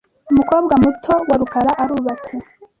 Umukobwa muto wa rukara arubatse .